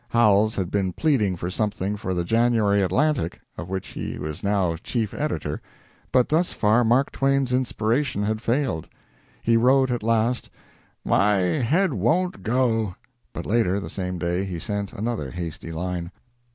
Howells had been pleading for something for the January "Atlantic," of which he was now chief editor, but thus far Mark Twain's inspiration had failed. He wrote at last, "My head won't go," but later, the same day, he sent another hasty line.